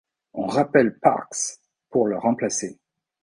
On rappelle Parkes pour le remplacer.